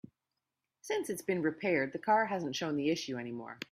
Since it's been repaired, the car hasn't shown the issue any more.